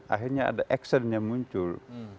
akhirnya ada action yang muncul